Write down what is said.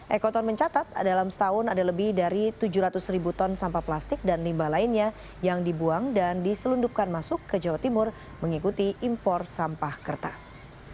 ekoton mencatat dalam setahun ada lebih dari tujuh ratus ribu ton sampah plastik dan limbah lainnya yang dibuang dan diselundupkan masuk ke jawa timur mengikuti impor sampah kertas